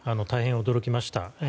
大変驚きました。